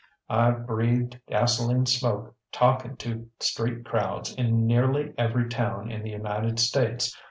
IŌĆÖve breathed gasoline smoke talking to street crowds in nearly every town in the United States.